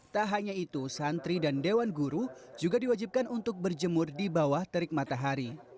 tak hanya itu santri dan dewan guru juga diwajibkan untuk berjemur di bawah terik matahari